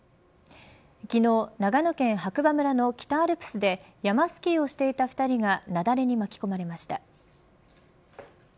昨日、長野県白馬村の北アルプスで山スキーをしていた２人が雪崩に巻き込まれました。